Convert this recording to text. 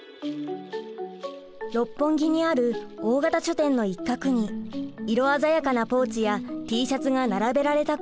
六本木にある大型書店の一角に色鮮やかなポーチやＴシャツが並べられたコーナーが。